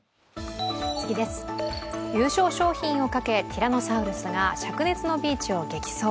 優勝賞品をかけティラノサウルスが灼熱のビーチを激走。